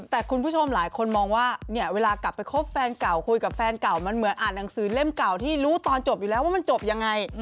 แต่คุณผู้ชมหลายคนมองว่าเนี่ยเวลากลับไปคบแฟนเก่าคุยกับแฟนเก่ามันเหมือนอ่านหนังสือเล่มเก่าที่รู้ตอนจบอยู่แล้วว่ามันจบยังไง